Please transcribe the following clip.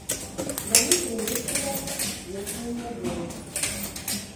Яны прынеслі яму сусветную вядомасць.